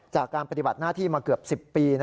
จากการปฏิบัติหน้าที่มาเกือบ๑๐ปี